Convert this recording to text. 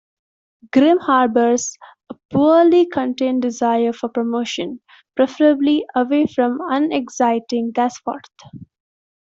Grim harbours a poorly-contained desire for promotion, preferably away from unexciting Gasforth.